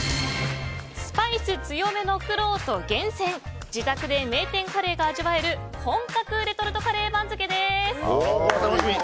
スパイス強めのくろうと厳選自宅で名店カレーが味わえる本格レトルトカレー番付です。